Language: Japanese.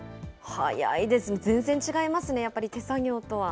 速いですね、全然違いますね、やっぱり手作業とは。